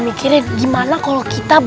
mundar mandir kayak gitu